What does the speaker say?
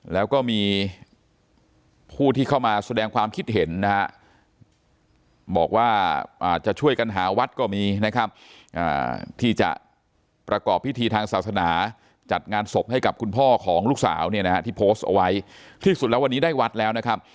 แล้วก็มีผู้ที่เข้ามาแสดงความคิดเห็นนะฮะบอกว่าจะช่วยกันหาวัดก็มีนะครับที่จะประกอบพิธีทางศาสนาจัดงานศพให้กับคุณพ่อของลูกสาวเนี่ยนะฮะที่โพสต์เอาไว้ที่สุดแล้ววันนี้ได้วัดแล้วนะครับ